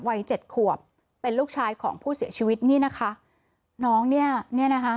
วัยเจ็ดขวบเป็นลูกชายของผู้เสียชีวิตนี่นะคะน้องเนี่ยเนี่ยนะคะ